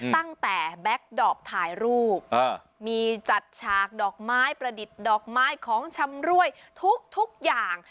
แบ็คดอปถ่ายรูปมีจัดฉากดอกไม้ประดิษฐ์ดอกไม้ของชำรวยทุกอย่าง